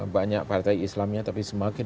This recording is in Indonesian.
banyak partai islamnya tapi semakin